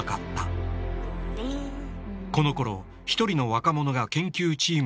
このころ一人の若者が研究チームに加わった。